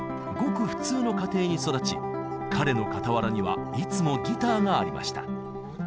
ごく普通の家庭に育ち彼の傍らにはいつもギターがありました。